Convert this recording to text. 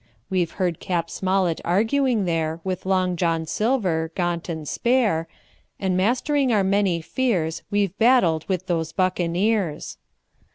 We've heard Cap. Smollett arguing there With Long John Silver, gaunt and spare, And mastering our many fears We've battled with those buccaneers.